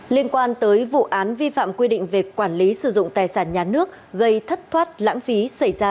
liên quan tới vụ án vi phạm quy định về quản lý sử dụng tài sản nhà nước gây thất thoát lãng phí xảy ra